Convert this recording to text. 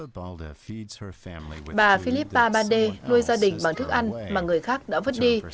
bà philippa bande nuôi gia đình bằng thức ăn mà người khác đã vứt đi